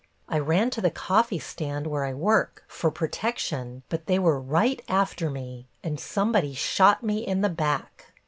I ran to the coffee stand, where I work, for protection, but they were right after me, and somebody shot me in the back.